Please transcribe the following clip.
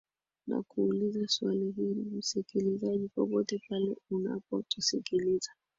nakuuliza swali hili msikilizaji popote pale unapo tusikiliza